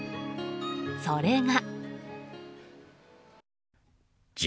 それが。